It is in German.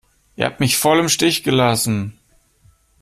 Ihr habt mich voll im Stich gelassen!